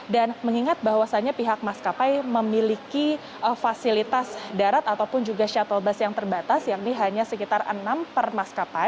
dan mengingat bahwasannya pihak maskapai memiliki fasilitas darat ataupun juga shuttle bus yang terbatas yang ini hanya sekitar enam per maskapai